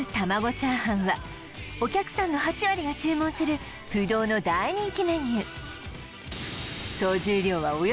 炒飯はお客さんの８割が注文する不動の大人気メニュー